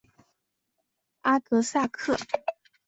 阿格萨克。